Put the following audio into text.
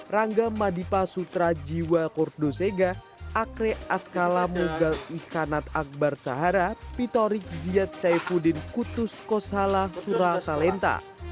rangga madipa sutra jiwa kordosega akre askalamugal ilhanat akbar sahara pitorik ziyad saifuddin kutus kosala suratalenta